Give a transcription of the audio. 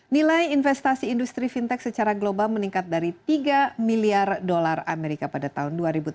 nilai investasi industri fintech secara global meningkat dari tiga miliar dolar amerika pada tahun dua ribu tujuh belas